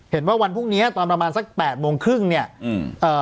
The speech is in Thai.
เห็นว่าวันพรุ่งเนี้ยตอนประมาณสักแปดโมงครึ่งเนี้ยอืม